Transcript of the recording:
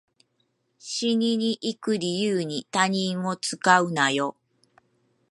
死にに行く理由に他人を使うなよ